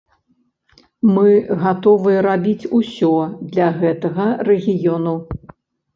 Мы гатовыя рабіць усё для гэтага рэгіёну.